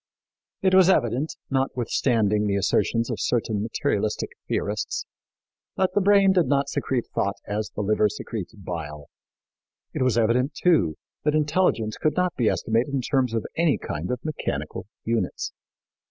It was evident, notwithstanding the assertions of certain materialistic theorists, that the brain did not secrete thought as the liver secretes bile; it was evident, too, that intelligence could not be estimated in terms of any kind of mechanical units.